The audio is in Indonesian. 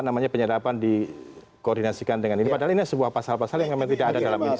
namanya penyadapan di koordinasikan dengan ini padahal sebuah pasal pasal yang tidak ada dalam